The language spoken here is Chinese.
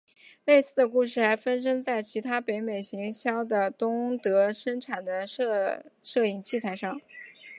类似的故事还发生在其他北美行销的东德生产的摄影器材上。